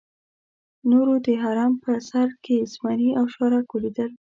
نورو د هرم په سر کې زمري او شارک ولیدل.